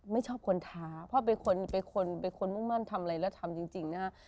ไม่ชอบคนท้าเพราะเป็นคนเป็นคนมุ่งมั่นทำอะไรแล้วทำจริงนะฮะ